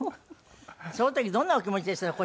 その時どんなお気持ちでしたの？